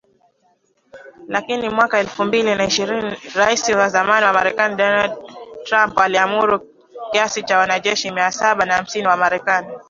Lakini mwaka elfu mbili na ishirini Rais wa zamani wa Marekani Donald Trump aliamuru kiasi cha wanajeshi mia saba na hamsini wa Marekani